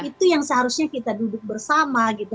itu yang seharusnya kita duduk bersama gitu